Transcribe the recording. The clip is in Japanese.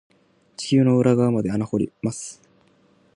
地球の裏側まで穴掘ります。